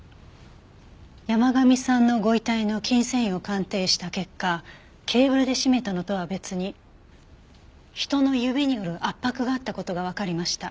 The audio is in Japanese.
山神さんのご遺体の筋繊維を鑑定した結果ケーブルで絞めたのとは別に人の指による圧迫があった事がわかりました。